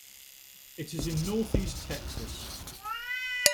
It is in Northeast Texas.